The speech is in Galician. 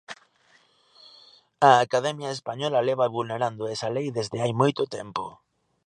A Academia española leva vulnerando esa lei desde hai moito tempo.